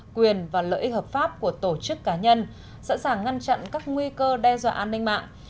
quyền và lợi ích hợp pháp của tổ chức cá nhân sẵn sàng ngăn chặn các nguy cơ đe dọa an ninh mạng